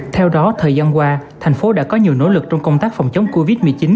theo đó thời gian qua thành phố đã có nhiều nỗ lực trong công tác phòng chống covid một mươi chín